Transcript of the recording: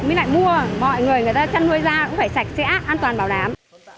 mới lại mua mọi người người ta chăn nuôi ra cũng phải sạch sẽ an toàn bảo đảm